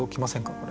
これ。